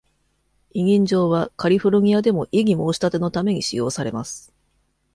委任状はカリフォルニアでも異議申し立てのために使用されます。